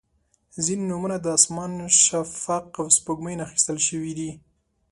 • ځینې نومونه د اسمان، شفق، او سپوږمۍ نه اخیستل شوي دي.